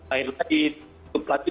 akhirnya ditutup lanjut